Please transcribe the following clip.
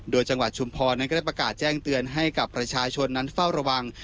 โดยจังหวัดชุมพรนั้นก็ได้ประกาศแจ้งเตือนให้กับประชาชนนั้นเฝ้าระวัง